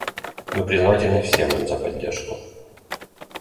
Мы признательны всем им за поддержку.